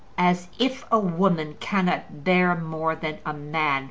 "As if a woman cannot bear more than a man!"